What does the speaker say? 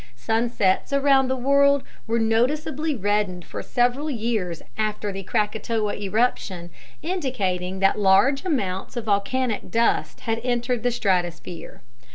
Sunsets around the world were noticeably reddened for several years after the Krakatoa eruption, indicating that large amounts of volcanic dust had entered the stratosphere.